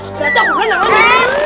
berat aku mana mana